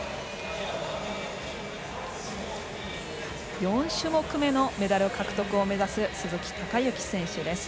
４種目めのメダル獲得を目指す鈴木孝幸選手です。